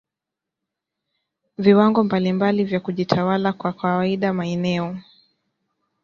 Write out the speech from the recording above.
viwango mbalimbali vya kujitawala Kwa kawaida maeneo